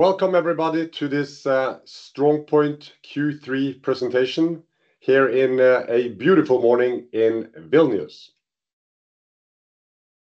Welcome everybody to this StrongPoint Q3 presentation here in a beautiful morning in Vilnius.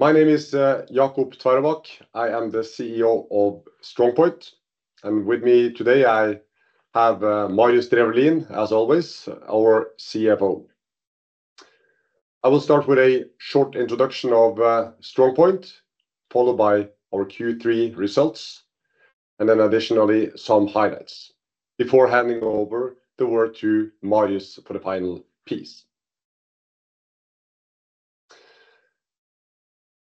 My name is Jacob Tveraabak. I am the CEO of StrongPoint, and with me today, I have Marius Drefvelin, as always, our CFO. I will start with a short introduction of StrongPoint, followed by our Q3 results, and then additionally, some highlights before handing over the word to Marius for the final piece.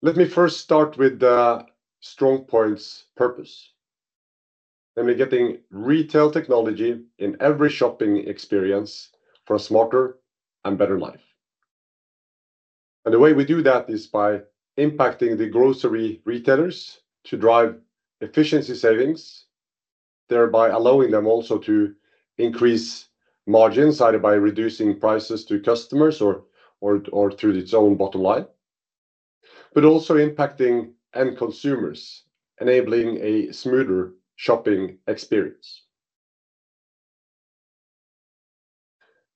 Let me first start with the StrongPoint's purpose, getting retail technology in every shopping experience for a smarter and better life, and the way we do that is by impacting the grocery retailers to drive efficiency savings, thereby allowing them also to increase margins, either by reducing prices to customers or through its own bottom line, but also impacting end consumers, enabling a smoother shopping experience.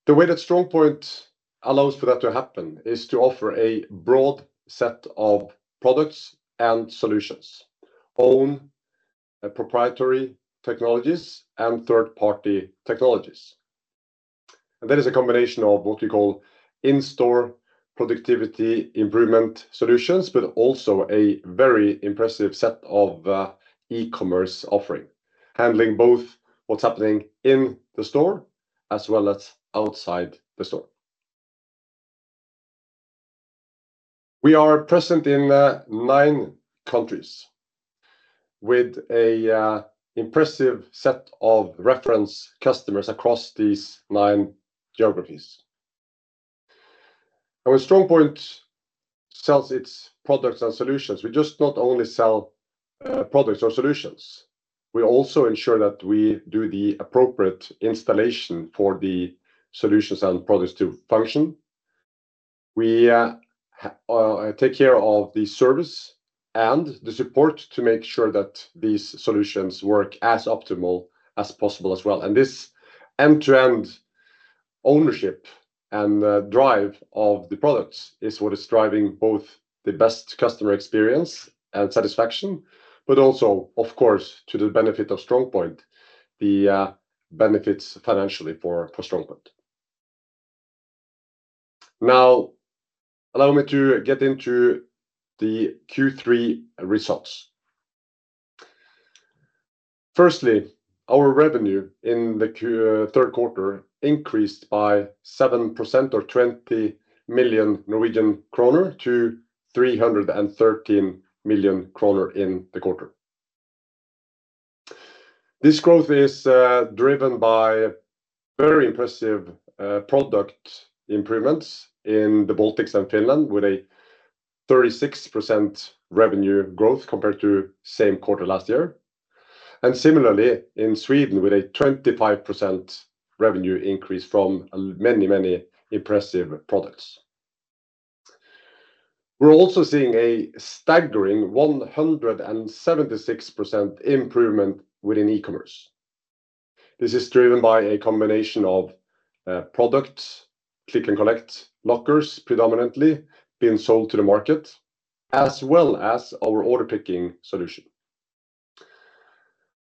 The way that StrongPoint allows for that to happen is to offer a broad set of products and solutions, own proprietary technologies and third-party technologies. And that is a combination of what we call in-store productivity improvement solutions, but also a very impressive set of e-commerce offering, handling both what's happening in the store as well as outside the store. We are present in nine countries with a impressive set of reference customers across these nine geographies. And when StrongPoint sells its products and solutions, we just not only sell products or solutions, we also ensure that we do the appropriate installation for the solutions and products to function. We take care of the service and the support to make sure that these solutions work as optimal as possible as well. This end-to-end ownership and drive of the products is what is driving both the best customer experience and satisfaction, but also, of course, to the benefit of StrongPoint, the benefits financially for StrongPoint. Now, allow me to get into the Q3 results. Firstly, our revenue in the third quarter increased by 7% or NOK 20 million-NOK 313 million in the quarter. This growth is driven by very impressive product improvements in the Baltics and Finland, with a 36% revenue growth compared to same quarter last year. And similarly, in Sweden, with a 25% revenue increase from many, many impressive products. We're also seeing a staggering 176% improvement within e-commerce. This is driven by a combination of products, click and collect lockers predominantly being sold to the market, as well as our order picking solution.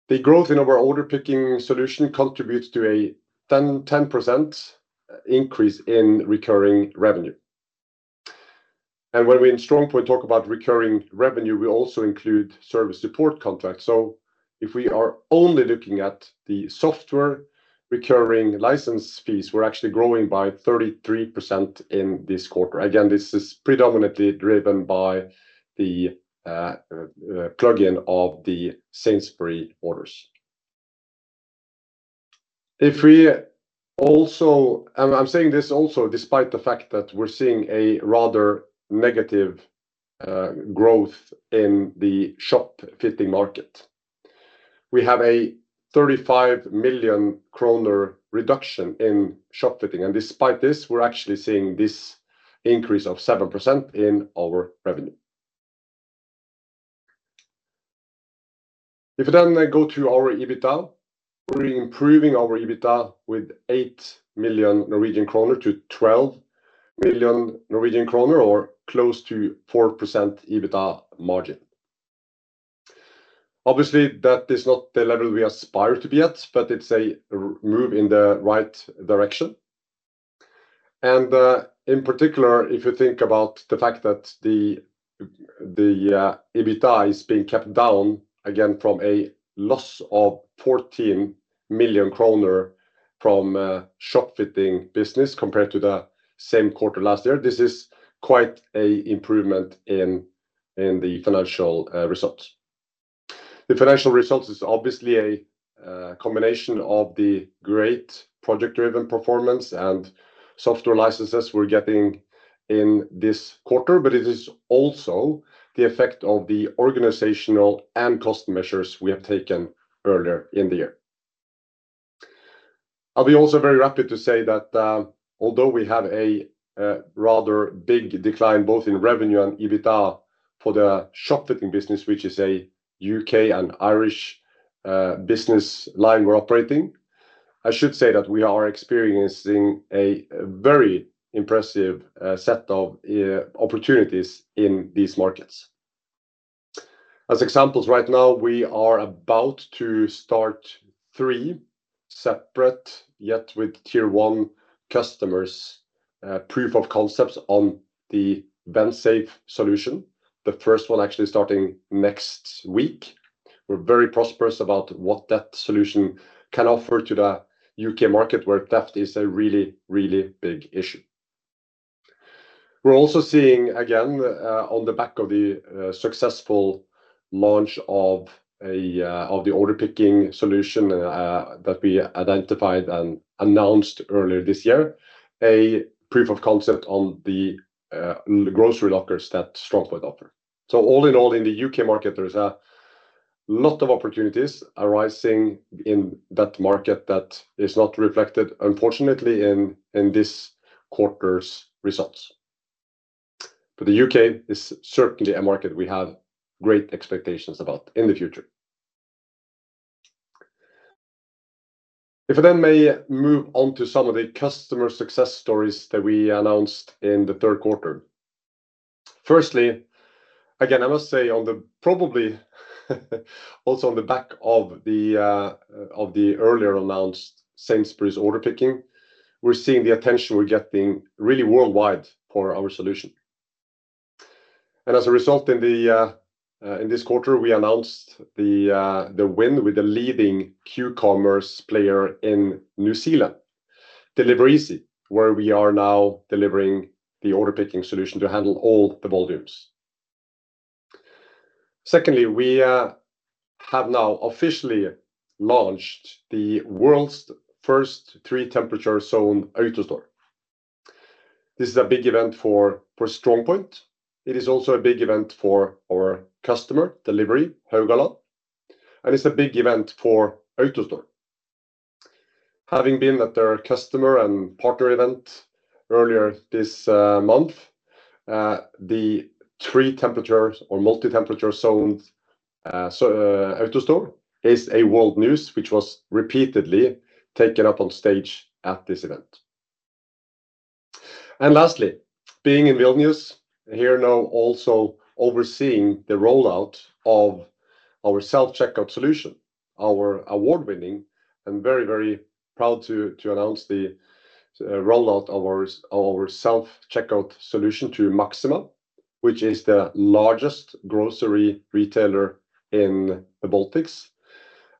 The growth in our order picking solution contributes to a 10% increase in recurring revenue. When we in StrongPoint talk about recurring revenue, we also include service support contracts. If we are only looking at the software recurring license fees, we're actually growing by 33% in this quarter. Again, this is predominantly driven by the plugin of the Sainsbury's orders. And I'm saying this also despite the fact that we're seeing a rather negative growth in the shop fitting market. We have a 35 million kroner reduction in shop fitting, and despite this, we're actually seeing this increase of 7% in our revenue. If we then go to our EBITDA, we're improving our EBITDA with 8 million-12 million Norwegian kroner, or close to 4% EBITDA margin. Obviously, that is not the level we aspire to be at, but it's a move in the right direction, and in particular, if you think about the fact that the EBITDA is being kept down again from a loss of 14 million kroner from shop fitting business compared to the same quarter last year, this is quite a improvement in the financial results. The financial results is obviously a combination of the great project-driven performance and software licenses we're getting in this quarter, but it is also the effect of the organizational and cost measures we have taken earlier in the year. I'll be also very rapid to say that, although we had a rather big decline, both in revenue and EBITDA for the shopfitting business, which is a U.K. and Irish business line we're operating, I should say that we are experiencing a very impressive set of opportunities in these markets. As examples, right now, we are about to start three separate yet with Tier one customers proof of concepts on the Van Safe solution, the first one actually starting next week. We're very prosperous about what that solution can offer to the U.K. market, where theft is a really, really big issue. We're also seeing, again, on the back of the successful launch of a of the order picking solution that we identified and announced earlier this year, a proof of concept on the grocery lockers that StrongPoint offer. So all in all, in the U.K. market, there is a lot of opportunities arising in that market that is not reflected, unfortunately, in this quarter's results. But the U.K. is certainly a market we have great expectations about in the future. If I then may move on to some of the customer success stories that we announced in the third quarter. Firstly, again, I must say, probably, also on the back of the earlier announced Sainsbury's order picking, we're seeing the attention we're getting really worldwide for our solution. And as a result, in this quarter, we announced the win with the leading Q-commerce player in New Zealand, Delivereasy, where we are now delivering the order picking solution to handle all the volumes. Secondly, we have now officially launched the world's first three-temperature zone AutoStore. This is a big event for StrongPoint. It is also a big event for our customer, Delivery Högala, and it's a big event for AutoStore. Having been at their customer and partner event earlier this month, the three temperatures or multi-temperature zones, so AutoStore is a world news, which was repeatedly taken up on stage at this event. Lastly, being in Vilnius here now also overseeing the rollout of our self-checkout solution, our award-winning, I'm very proud to announce the rollout of our self-checkout solution to Maxima, which is the largest grocery retailer in the Baltics.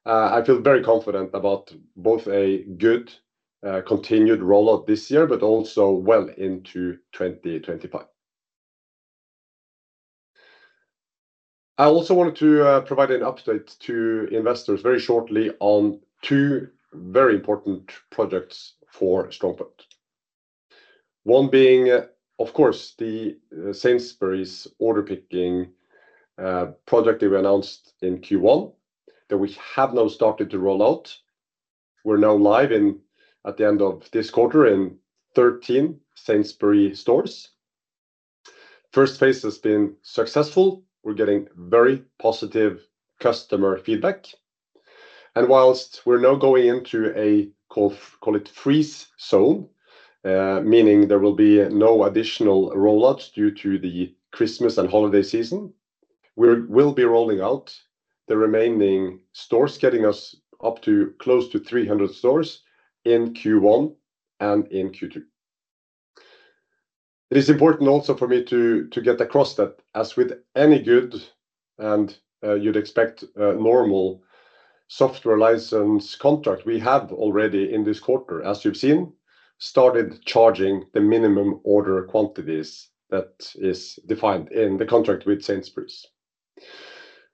I feel very confident about both a good continued rollout this year, but also well into twenty twenty-five. I also wanted to provide an update to investors very shortly on two very important projects for StrongPoint. One being, of course, the Sainsbury's order picking project we announced in Q1, that we have now started to roll out. We're now live in, at the end of this quarter, in 13 Sainsbury stores. First phase has been successful. We're getting very positive customer feedback, and while we're now going into a, call it freeze zone, meaning there will be no additional rollouts due to the Christmas and holiday season, we will be rolling out the remaining stores, getting us up to close to 300 stores in Q1 and in Q2. It is important also for me to get across that as with any good, and you'd expect, normal software license contract, we have already in this quarter, as you've seen, started charging the minimum order quantities that is defined in the contract with Sainsbury's.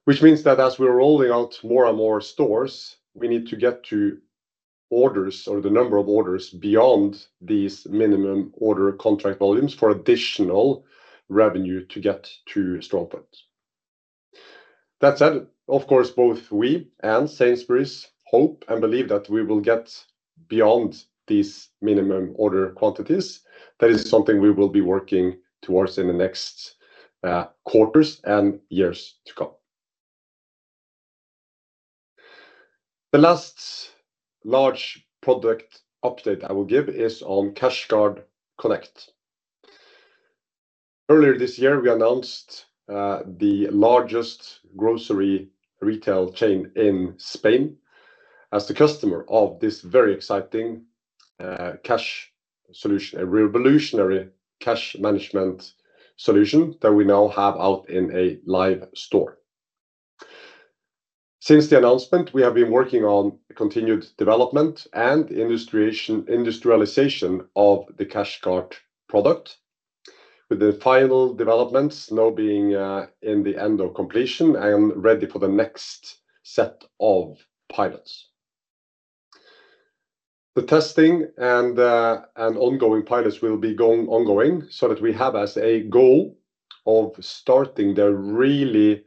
Which means that as we're rolling out more and more stores, we need to get to orders or the number of orders beyond these minimum order contract volumes for additional revenue to get to StrongPoint. That said, of course, both we and Sainsbury's hope and believe that we will get beyond these minimum order quantities. That is something we will be working towards in the next quarters and years to come. The last large product update I will give is on CashGuard Connect. Earlier this year, we announced the largest grocery retail chain in Spain as the customer of this very exciting cash solution, a revolutionary cash management solution that we now have out in a live store. Since the announcement, we have been working on continued development and industrialization of the CashGuard product, with the final developments now being in the end of completion and ready for the next set of pilots. The testing and ongoing pilots will be ongoing, so that we have as a goal of starting the really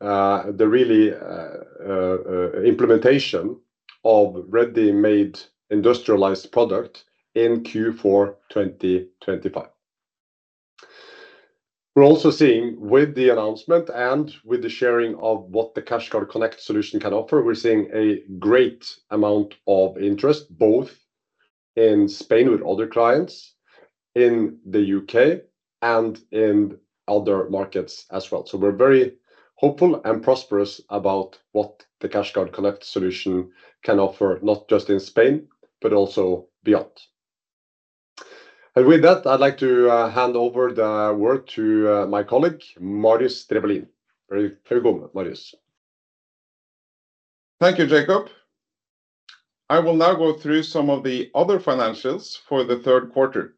implementation of ready-made industrialized product in Q4 2025. We're also seeing with the announcement and with the sharing of what the CashGuard Connect solution can offer, we're seeing a great amount of interest, both in Spain with other clients, in the U.K., and in other markets as well. So we're very hopeful and prosperous about what the CashGuard Connect solution can offer, not just in Spain, but also beyond. And with that, I'd like to hand over the word to my colleague, Marius Drefvelin. Very, very good, Marius. Thank you, Jacob. I will now go through some of the other financials for the third quarter.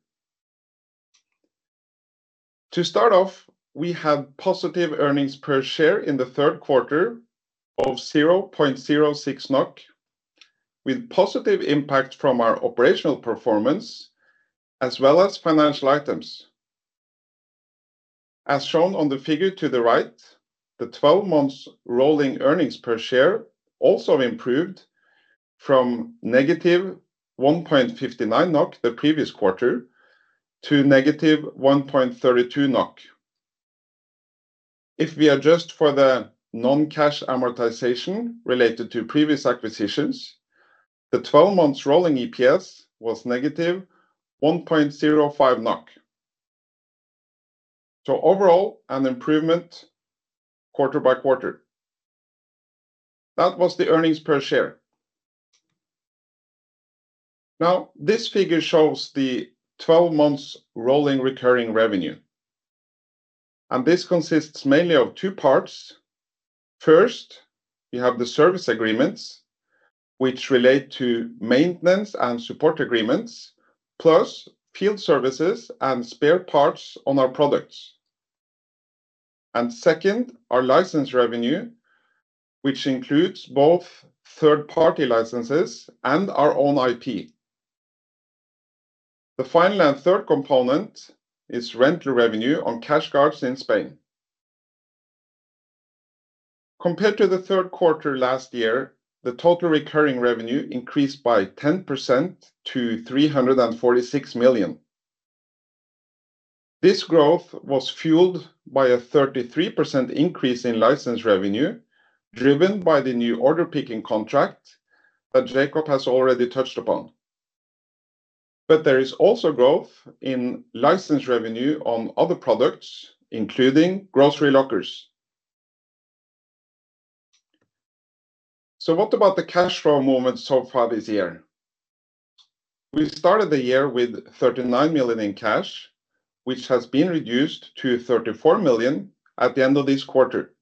To start off, we had positive earnings per share in the third quarter of 0.06 NOK, with positive impact from our operational performance, as well as financial items. As shown on the figure to the right, the 12 months rolling earnings per share also improved from negative 1.59 NOK the previous quarter, to negative 1.32 NOK. If we adjust for the non-cash amortization related to previous acquisitions, the 12 months rolling EPS was negative 1.05 NOK. So overall, an improvement quarter-by-quarter. That was the earnings per share. Now, this figure shows the twelve months rolling recurring revenue, and this consists mainly of two parts. First, you have the service agreements, which relate to maintenance and support agreements, plus field services and spare parts on our products. And second, our license revenue, which includes both third-party licenses and our own IP. The final and third component is rental revenue on CashGuards in Spain. Compared to the third quarter last year, the total recurring revenue increased by 10% to 346 million. This growth was fueled by a 33% increase in license revenue, driven by the new order picking contract that Jacob has already touched upon. But there is also growth in license revenue on other products, including grocery lockers. So what about the cash flow movement so far this year? We started the year with 39 million in cash, which has been reduced to 34 million at the end of this quarter.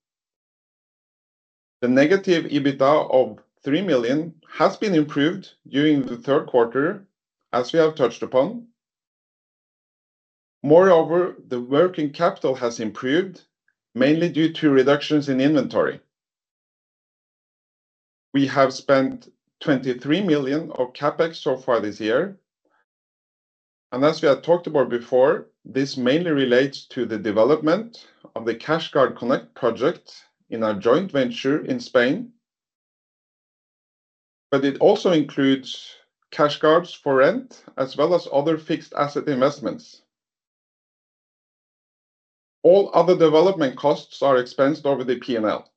The negative EBITDA of 3 million has been improved during the third quarter, as we have touched upon. Moreover, the working capital has improved, mainly due to reductions in inventory. We have spent 23 million of CapEx so far this year, and as we have talked about before, this mainly relates to the development of the CashGuard Connect project in our joint venture in Spain. But it also includes CashGuards for rent, as well as other fixed asset investments. All other development costs are expensed over the P&L.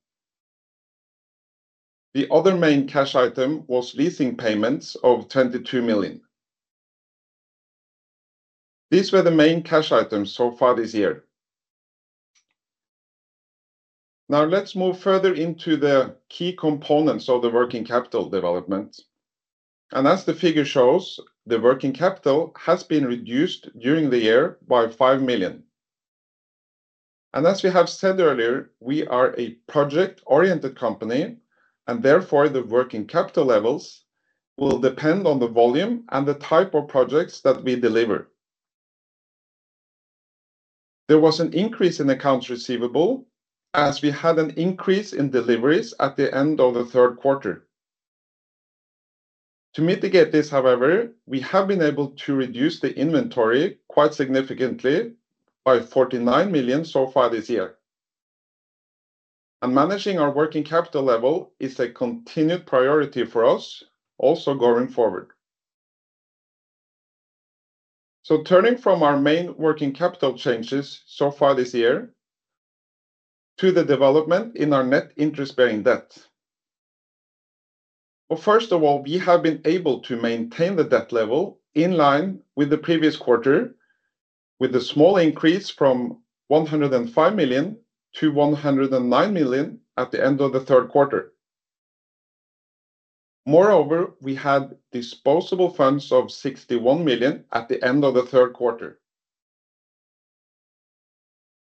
The other main cash item was leasing payments of 22 million. These were the main cash items so far this year. Now, let's move further into the key components of the working capital development. As the figure shows, the working capital has been reduced during the year by 5 million. As we have said earlier, we are a project-oriented company, and therefore, the working capital levels will depend on the volume and the type of projects that we deliver. There was an increase in accounts receivable, as we had an increase in deliveries at the end of the third quarter. To mitigate this, however, we have been able to reduce the inventory quite significantly by 49 million so far this year. Managing our working capital level is a continued priority for us, also going forward. Turning from our main working capital changes so far this year to the development in our net interest-bearing debt. First of all, we have been able to maintain the debt level in line with the previous quarter, with a small increase from 105 million-109 million at the end of the third quarter. Moreover, we had disposable funds of 61 million at the end of the third quarter.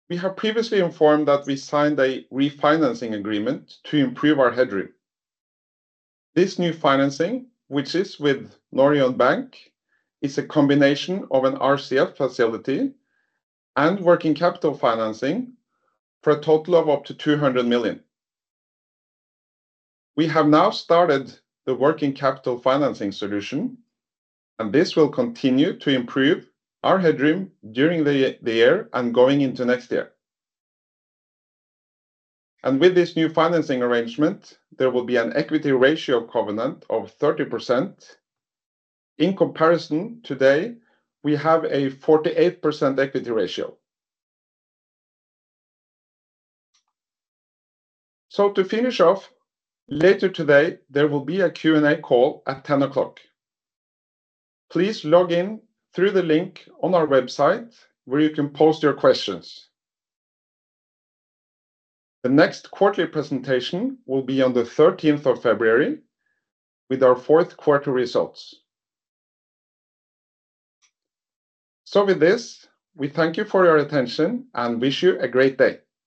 We have previously informed that we signed a refinancing agreement to improve our headroom. This new financing, which is with Norion Bank, is a combination of an RCF facility and working capital financing for a total of up to 200 million. We have now started the working capital financing solution, and this will continue to improve our headroom during the year and going into next year. And with this new financing arrangement, there will be an equity ratio covenant of 30%. In comparison, today, we have a 48% equity ratio. So to finish off, later today, there will be a Q&A call at 10:00 AM. Please log in through the link on our website, where you can post your questions. The next quarterly presentation will be on the thirteenth of February with our fourth quarter results. So with this, we thank you for your attention and wish you a great day.